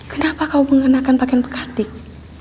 kenapa kau mengenakan pakaian bekatik